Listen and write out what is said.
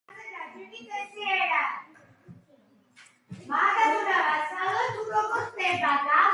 წერდა ჰინდის და ურდუს ენებზე.